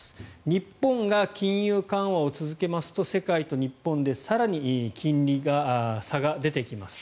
日本が金融緩和を続けますと世界と日本で更に金利の差が出てきます。